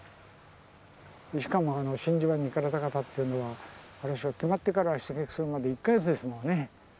しかも真珠湾に行かれた方っていうのは決まってから出撃するまで１か月ですものね。